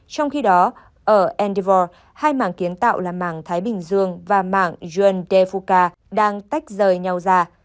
trong khi đó ở endeavour hai mảng kiến tạo là mảng thái bình dương và mảng yontefuka đang tách rời nhau ra